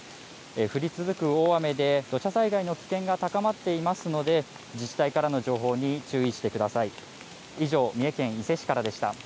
降り続く大雨で、土砂災害の危険が高まっていますので、自治体からの情報に注意してください。